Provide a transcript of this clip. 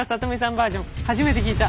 バージョン初めて聞いた。